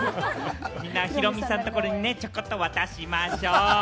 皆さん、ヒロミさんのところにちょこっと渡しましょう。